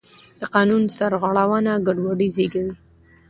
د قانون سرغړونه ګډوډي زېږوي